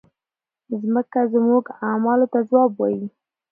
مځکه زموږ اعمالو ته ځواب وایي.